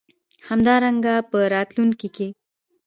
همدارنګه په راتلونکې کې